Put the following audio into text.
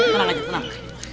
tenang aja tenang